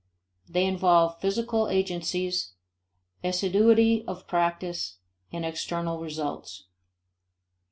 They involve physical agencies, assiduity of practice, and external results.